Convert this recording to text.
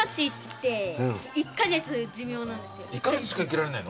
１カ月しか生きられないの？